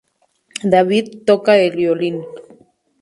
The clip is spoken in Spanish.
David toca el violín.